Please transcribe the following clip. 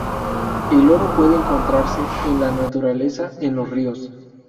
El oro puede encontrarse en la naturaleza en los ríos.